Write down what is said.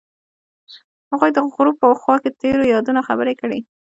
هغوی د غروب په خوا کې تیرو یادونو خبرې کړې.